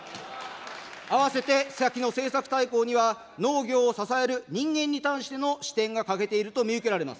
あわせて先の政策大綱には農業を支える人間に対しての視点が欠けていると見受けられます。